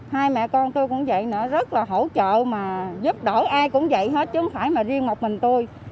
hai mẹ con tôi cũng vậy nữa rất là hỗ trợ mà giúp đổi ai cũng vậy hết chứ không phải mà riêng một mình tôi